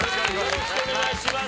よろしくお願いします。